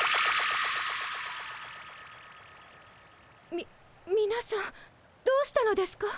みみなさんどうしたのですか？